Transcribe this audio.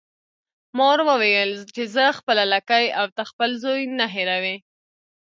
مار وویل چې زه خپله لکۍ او ته خپل زوی نه هیروي.